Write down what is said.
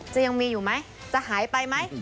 จะยังมีอยู่ไหมจะหายไปไหม